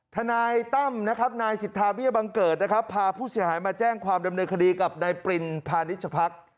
ทนายตั้มนายสิทธาพิยบังเกิดพาผู้เสียหายมาแจ้งความดำเนินคดีกับนายปริณพาณิชยภักษ์